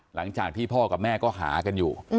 หลังจากที่พ่อกับแม่ก็หากันอยู่